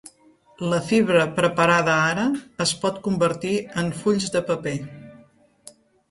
La fibra preparada ara es pot convertir en fulls de paper.